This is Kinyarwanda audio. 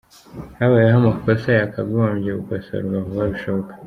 Habayeho amakosa yakogombye gukosorwa vuba bishoboka.